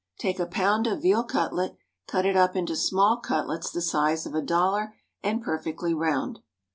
_ Take a pound of veal cutlet; cut it up into small cutlets the size of a dollar, and perfectly round.